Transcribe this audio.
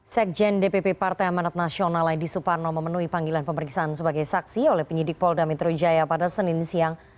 sekjen dpp partai amanat nasional edi suparno memenuhi panggilan pemeriksaan sebagai saksi oleh penyidik polda metro jaya pada senin siang